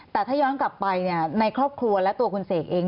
แต่ถ้าย้อนกลับไปในครอบครัวและตัวคุณเสกเอง